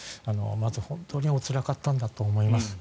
まず本当におつらかったんだろうと思います。